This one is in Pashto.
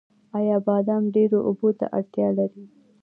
آیا بادام ډیرو اوبو ته اړتیا لري؟